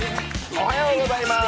おはようございます。